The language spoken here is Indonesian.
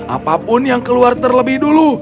apapun yang keluar terlebih dulu